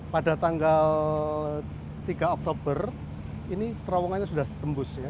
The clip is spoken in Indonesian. pada tanggal tiga oktober ini terowongannya sudah tembus ya